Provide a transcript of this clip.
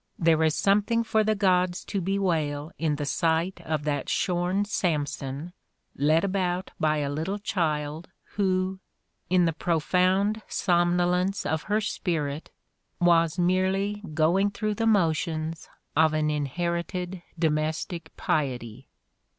There is something for the gods' to bewail in the sight of that shorn Samson led about by a little child who, in the profound somnolence of her spirit, was merely going through the motions of an inherited domestic piety.